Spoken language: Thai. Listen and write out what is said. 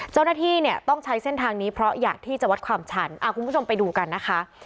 เจ้าหน้าที่เนี่ยต้องใช้เส้นทางนี้เพราะอยากที่จะวัดความชันคุณผู้ชมไปดูกันนะคะ